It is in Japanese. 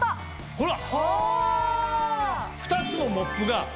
ほら。